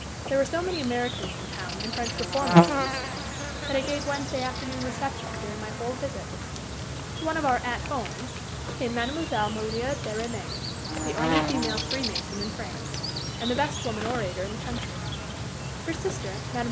There were so many Americans in town, and French reformers to be seen, that I gave Wednesday afternoon receptions during my whole visit. To one of our "at homes" came Mlle. Maria Deraismes, the only female Free Mason in France, and the best woman orator in the country; her sister, Mme.